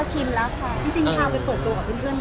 ที่จริงถ้าเป็นตัวตัวกับเพื่อนหมด